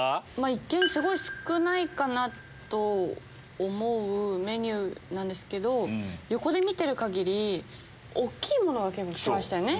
一見すごい少ないかなと思うメニューなんですけど横で見てる限り大きいものが結構来てましたよね。